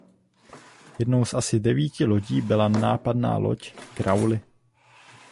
Jednou z asi devíti lodí byla nenápadná loď "Crowley".